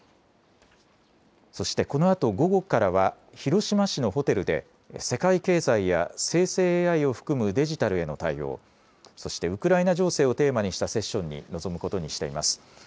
そしてこのあと午後からは広島市のホテルで世界経済や生成ＡＩを含むデジタルへの対応、そしてウクライナ情勢をテーマにしたセッションに臨むことにしています。